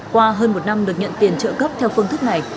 qua hơn một năm được nhận tiền trợ cấp theo phương thức này